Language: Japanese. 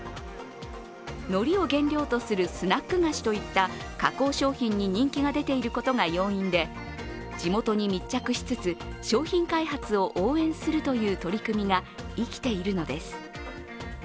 のりを原料とするスナック菓子といった加工商品に人気が出ていることが要因で、地元に密着しつつ、商品開発を応援するという取り組みが生きているのです。